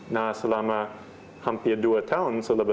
nah selama hampir dua tahun